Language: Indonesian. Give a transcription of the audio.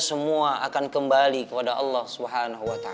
semua akan kembali kepada allah swt